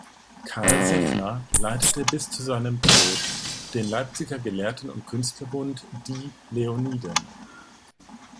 Carl Seffner leitete bis zu seinem Tod den Leipziger Gelehrten- und Künstlerbund "Die Leoniden".